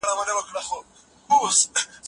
نړیوال باور پر افغان زعفرانو ډېر شوی دی.